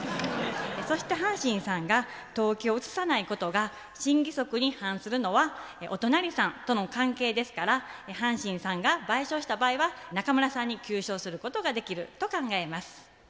そして阪神さんが登記を移さないことが信義則に反するのはお隣さんとの関係ですから阪神さんが賠償した場合は中村さんに求償することができると考えます。